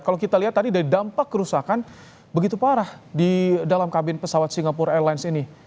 kalau kita lihat tadi dari dampak kerusakan begitu parah di dalam kabin pesawat singapore airlines ini